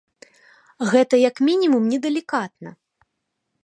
Гэта, як мінімум, не далікатна.